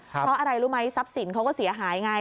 เพราะอะไรรู้ไหมทรัพย์สินเขาก็เสียหายไง